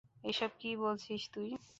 এসব কি বলছিস তুই?